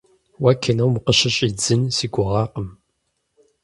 Уэ кином укъыщыщӏидзын си гугъакъым.